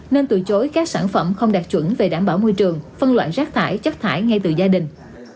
nên từ chối các sản phẩm không đạt chuẩn về đảm bảo môi trường phân loại rác thải chất thải ngay từ gia đình